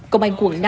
công an quận năm